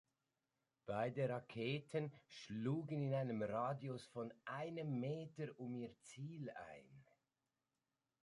Beide Raketen schlugen in einem Radius von einem Meter um ihr Ziel ein.